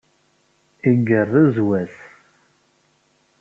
Igerrez wass.